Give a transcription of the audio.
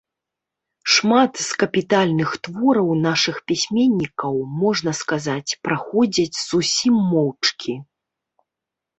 Шмат з капітальных твораў нашых пісьменнікаў, можна сказаць, праходзяць зусім моўчкі.